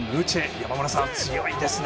山村さん、強いですね。